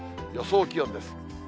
予想気温です。